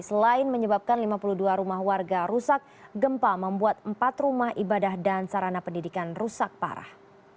selain menyebabkan lima puluh dua rumah warga rusak gempa membuat empat rumah ibadah dan sarana pendidikan rusak parah